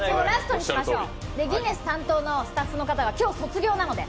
ギネス担当のスタッフの方が今日、卒業なので。